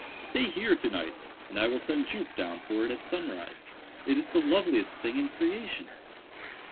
Stay here to night, and I will send Jup down for it at sunrise. It is the loveliest thing in creation!"